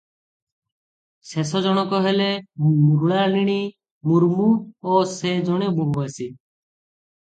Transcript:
ଶେଷଜଣକ ହେଲେ ମୃଣାଳିନୀ ମୁର୍ମୁ ଓ ସେ ଜଣେ ବହୁଭାଷୀ ।